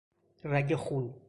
رگ خون